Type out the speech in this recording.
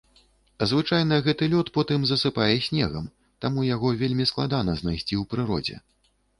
Звычайна гэты лёд потым засыпае снегам, таму яго вельмі складана знайсці ў прыродзе.